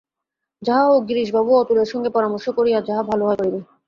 যাহা হউক গিরিশবাবু ও অতুলের সঙ্গে পরামর্শ করিয়া যাহা ভাল হয় করিবে।